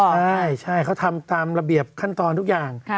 ใช่ใช่เขาทำตามระเบียบขั้นตอนทุกอย่าง